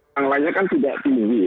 yang lainnya kan tidak tinggi